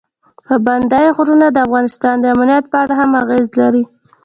پابندی غرونه د افغانستان د امنیت په اړه هم اغېز لري.